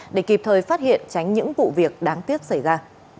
để kịp thời phát hiện tránh những vụ việc đáng tiếc xảy ra